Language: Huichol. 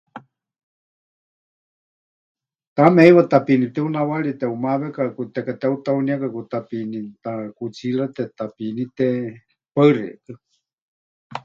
Taame heiwa tapiini pɨtiunawárie teʼumawekaku, tekateheutauniekaku, tapiini, takutsiirate, tapiiníte. Paɨ xeikɨ́a.